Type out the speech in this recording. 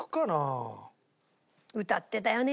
歌ってたよね